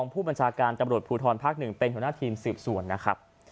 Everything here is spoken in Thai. ผู้บัญชาการกรรมรถภูทรภักดิ์๑เป็นผู้หน้าธีม๑๐ส่วนนะครับ